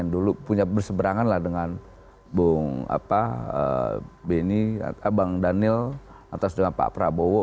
dulu punya berseberangan lah dengan bang daniel atas dengan pak prabowo